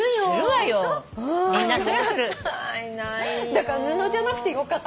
だから布じゃなくてよかった。